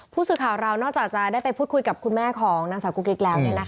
ผู้สื่อข่าวเรานอกจากจะได้ไปพูดคุยกับคุณแม่ของนางสาวกุ๊กกิ๊กแล้ว